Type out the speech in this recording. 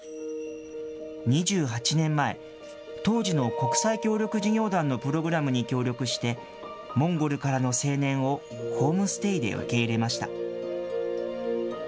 ２８年前、当時の国際協力事業団のプログラムに協力してモンゴルからの青年をホームステイで受け入れました。